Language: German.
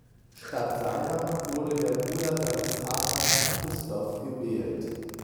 Statt seiner wurde der Bruder seines Vaters Christoph gewählt.